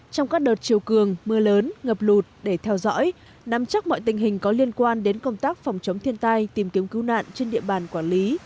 trong các đợt chiều cường mưa lớn ngập lụt để theo dõi nắm chắc mọi tình hình có liên quan đến công tác phòng chống thiên tai tìm kiếm cứu nạn trên địa bàn quản lý